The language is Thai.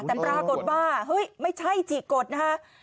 แต่ปรากฎว่าไม่ใช่จิกฎนะคะ